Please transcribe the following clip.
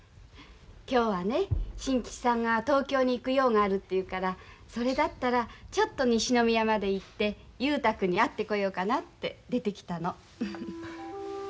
今日はね伸吉さんが東京に行く用があるって言うからそれだったらちょっと西宮まで行って雄太君に会ってこようかなって出てきたの。